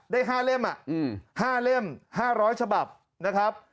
ได้๕เล่ม๕๐๐ฉบับ